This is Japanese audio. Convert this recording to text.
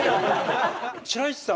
白石さん